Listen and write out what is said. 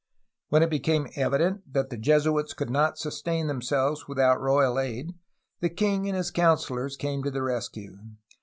When it became evident that the Jesuits could not sustain themselves without royal aid, the king and his councillors came to the rescue.